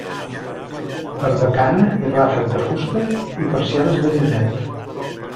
Barbacana i ràfec de fusta i persianes de llibret.